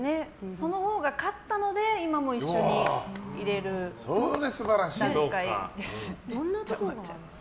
そのほうが勝ったので今も一緒にいれる段階です。